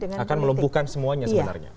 akan melumpuhkan semuanya sebenarnya